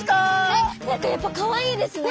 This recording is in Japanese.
えっ何かやっぱかわいいですね。